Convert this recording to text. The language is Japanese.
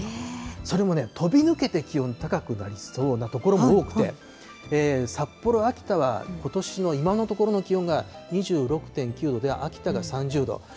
それもね、飛びぬけて気温高くなりそうな所も多くて、札幌、秋田はことしの今のところの気温が２６．９度で秋田が３０度。